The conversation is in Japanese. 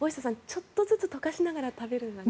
ちょっとずつ溶かしながら食べるのがね。